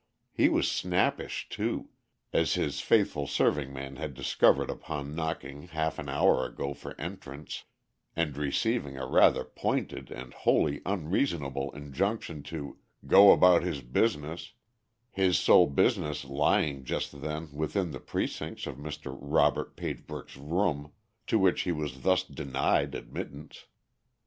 He was snappish too, as his faithful serving man had discovered upon knocking half an hour ago for entrance, and receiving a rather pointed and wholly unreasonable injunction to "go about his business," his sole business lying just then within the precincts of Mr. Robert Pagebrook's room, to which he was thus denied admittance.